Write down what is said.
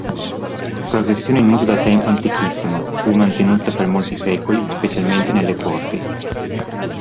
Professione in uso da tempo antichissimo, fu mantenuta per molti secoli, specialmente nelle corti.